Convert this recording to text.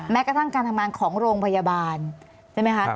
แม้กระทั่งการทำงานของโรงพยาบาลใช่ไหมคะ